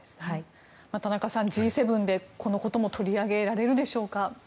田中さん、Ｇ７でこのことも取り上げられるでしょうか。